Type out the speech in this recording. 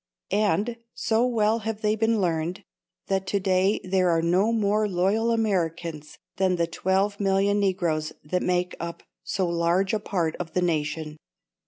And so well have they been learned, that to day there are no more loyal Americans than the twelve million Negroes that make up so large a part of the nation.